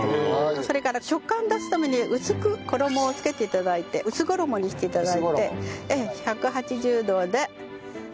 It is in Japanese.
それから食感出すために薄く衣をつけて頂いて薄衣にして頂いて１８０度で。